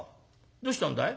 どうしたんだい？」。